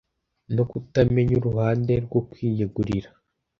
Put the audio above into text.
no kutamenya uruhande rwo kwiyegurira